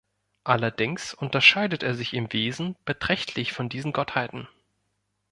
Allerdings unterscheidet er sich im Wesen beträchtlich von diesen Gottheiten.